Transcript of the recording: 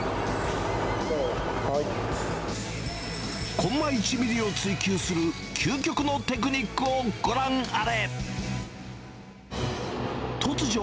コンマ１ミリを追及する、究極のテクニックをご覧あれ。